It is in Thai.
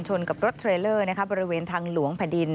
กับรถเทรลเลอร์บริเวณทางหลวงแผ่นดิน